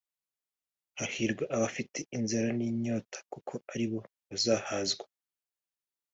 hahirwa abafite inzara n'inyota kuko aribo bazahazwa